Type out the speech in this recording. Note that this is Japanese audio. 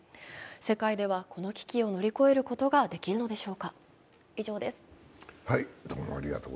世界ではこの危機を乗り越えることができるのでしょうか。